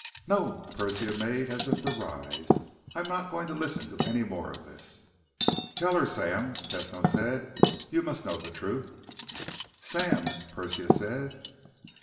"No!" Persia made as if to rise. "I'm not going to listen to any more of this." "Tell her, Sam," Tesno said. "You must know the truth." "Sam...." Persia said.